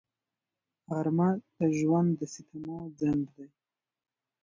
غرمه د ژوند د ستمو ځنډ دی